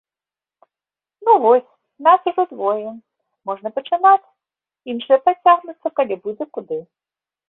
Ну вось, нас ужо двое, можна пачынаць, іншыя падцягнуцца, калі будзе куды.